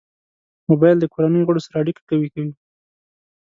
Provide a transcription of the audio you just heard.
موبایل د کورنۍ غړو سره اړیکه قوي کوي.